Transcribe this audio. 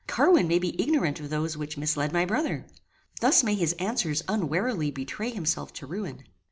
Carwin may be ignorant of those which misled my brother. Thus may his answers unwarily betray himself to ruin.